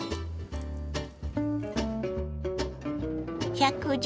１１０